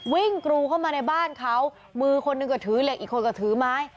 กรูเข้ามาในบ้านเขามือคนหนึ่งก็ถือเหล็กอีกคนก็ถือไม้